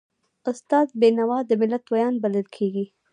استاد بینوا د ملت ویاند بلل کېږي.